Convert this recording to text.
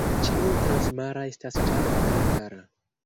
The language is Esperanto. Ĉio transmara estas ĉarma kaj kara.